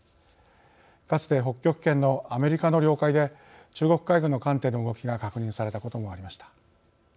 かつて北極圏のアメリカの領海で中国海軍の艦艇の動きが確認されたこともありました。